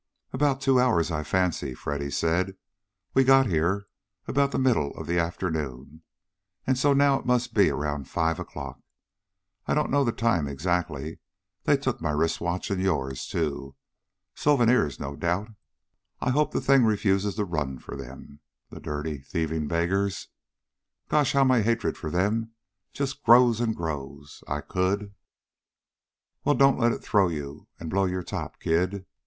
"About two hours, I fancy," Freddy said. "We got here about the middle of the afternoon, so now it must be around five o'clock. I don't know the time, exactly. They took my wrist watch, and yours, too. Souvenirs, no doubt. I hope the things refuse to run for them, the dirty thieving beggars. Gosh! How my hatred for them just grows and grows! I could " "Well, don't let it throw you, and blow your top, kid!"